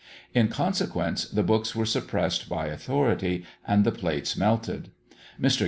In consequence, the books were suppressed by authority, and the plates melted. Mr.